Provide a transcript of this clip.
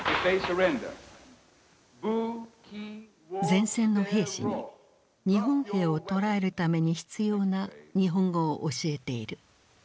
前線の兵士に日本兵を捕らえるために必要な日本語を教えている。